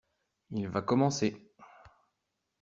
Il va commencer.